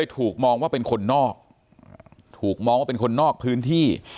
ถูกมองว่าเป็นคนนอกถูกมองว่าเป็นคนนอกพื้นที่